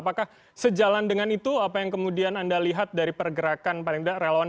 apakah sejalan dengan itu apa yang kemudian anda lihat dari pergerakan paling tidak relawan